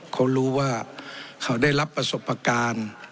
เขารู้ว่าเขาได้รับประสบการณ์